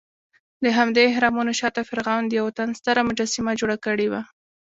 دهمدې اهرامونو شاته فرعون د یوه تن ستره مجسمه جوړه کړې وه.